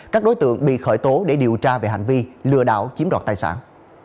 các đối tượng bị khởi tố để điều tra về hành vi lừa đảo chiếm đoạt tài sản